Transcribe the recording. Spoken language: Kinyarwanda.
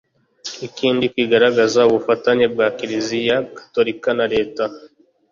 Ikindi kigaragaza ubufatanye bwa Kiliziya gatolika na Leta